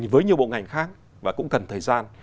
với nhiều bộ ngành khác và cũng cần thời gian